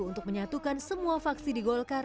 untuk menyatukan semua faksi di golkar